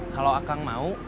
kalau akang mau